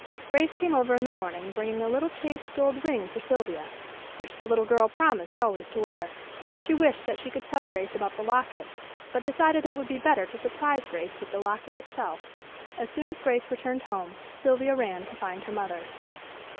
Grace came over in the morning bringing a little chased gold ring for Sylvia, which the little girl promised always to wear. She wished that she could tell Grace about the lockets, but decided it would be better to surprise Grace with the locket itself. As soon as Grace returned home Sylvia ran to find her mother.